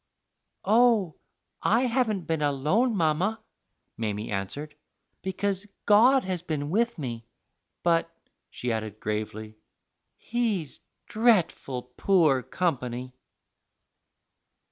"Oh, I haven't been alone, mamma," Mamie answered, "because God has been with me; but," she added, gravely, "he's dretful poor company."